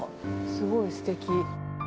すごい、すてき。